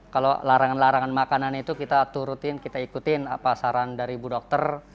kalau larangan larangan makanan itu kita atur rutin kita ikutin apa saran dari ibu dokter